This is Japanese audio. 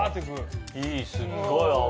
いいすっごい泡。